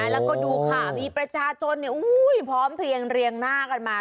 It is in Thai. แล้วก็ดูค่ะมีประชาชนพร้อมเพลียงเรียงหน้ากันมา